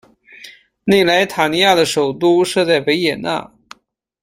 内莱塔尼亚的首都设在维也纳。